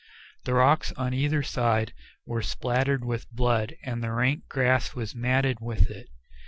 The rocks on either side were spattered with blood and the rank grass was matted with it.